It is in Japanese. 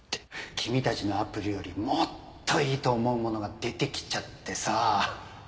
君たちのアプリよりもっといいと思うものが出てきちゃってさ。